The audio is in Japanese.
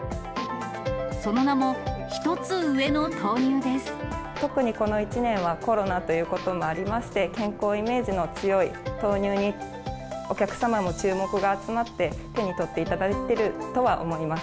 その名も、特にこの１年はコロナということもありまして、健康イメージの強い豆乳にお客様の注目が集まって、手に取っていただいてるとは思います。